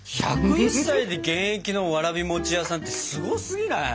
１０１歳で現役のわらび餅屋さんってすごすぎない？